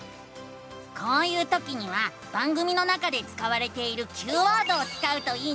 こういうときには番組の中で使われているＱワードを使うといいのさ！